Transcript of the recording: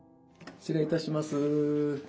失礼いたします。